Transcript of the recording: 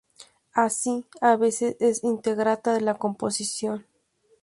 Así a veces es de ingrata la composición.